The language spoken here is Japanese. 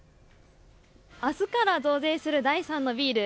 明日から増税する第３のビール。